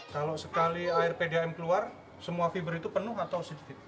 kalau sekali air pdam keluar semua fiber itu penuh atau sedikit